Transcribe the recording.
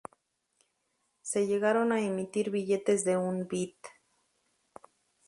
Se llegaron a emitir billetes de un bit.